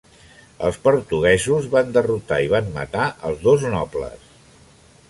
Els portuguesos van derrotar i van matar els dos nobles.